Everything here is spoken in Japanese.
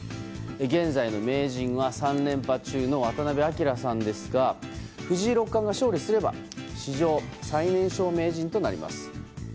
現在の名人は３連覇中の渡辺明さんですが藤井六冠が勝利すれば史上最年少名人となります。